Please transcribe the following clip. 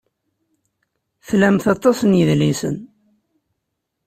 Tlamt aṭas n yidlisen.